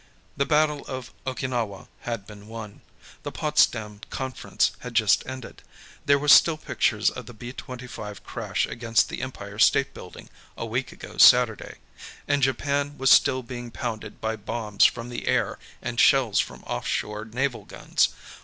The battle of Okinawa had been won. The Potsdam Conference had just ended. There were still pictures of the B 25 crash against the Empire State Building, a week ago Saturday. And Japan was still being pounded by bombs from the air and shells from off shore naval guns.